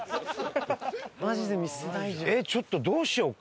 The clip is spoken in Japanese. ちょっとどうしようか？